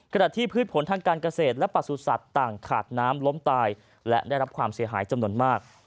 ที่พืชผลทางการเกษตรและประสุทธิ์ต่างขาดน้ำล้มตายและได้รับความเสียหายจำนวนมาก